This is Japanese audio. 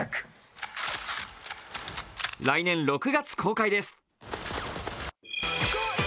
来年６月公開です。